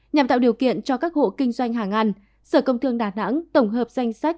nhằm tạo điều kiện cho các hộ kinh doanh hàng ăn sở công thương đà nẵng tổng hợp danh sách